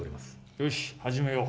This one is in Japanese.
よし始めよう。